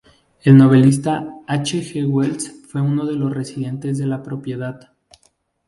El novelista H. G. Wells fue uno de los residentes de la propiedad.